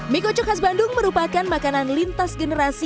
mie kocok khas bandung merupakan makanan lintas generasi